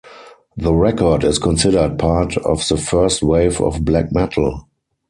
The record is considered part of the first wave of black metal.